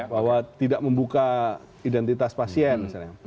bahwa tidak membuka identitas pasien